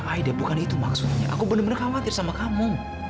aida bukan itu maksudnya aku benar benar khawatir sama kamu